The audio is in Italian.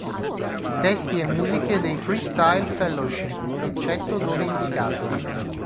Testi e musiche dei Freestyle Fellowship eccetto dove indicato.